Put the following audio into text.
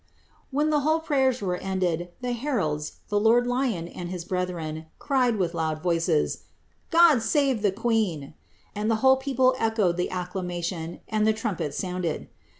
When the whole prayers were ended, the heralds, the lord Lion and his brethren, cried, with loud voices, ^ God save the queen f*^ and the whole people echoed the acclamation, and the trumpets sounded.